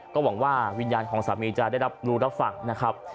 ก็หวังว่าวิญญาณของสามีจะได้รับรู้รับฟังนะครับ